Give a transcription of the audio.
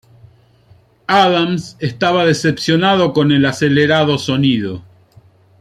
Adams estaba decepcionado con el acelerado sonido.